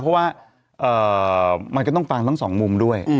เพราะว่ามันก็ต้องฟังทั้งสองมุมด้วย